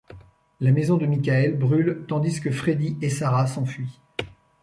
La maison de Michael brûle tandis que Freddie et Sara s'enfuient.